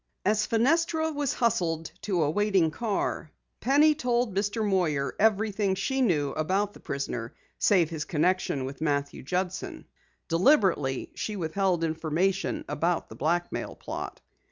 As Fenestra was hustled to a waiting car, Penny told Mr. Moyer everything she knew about the prisoner, save his connection with Matthew Judson. Deliberately she withheld information about the blackmail plot.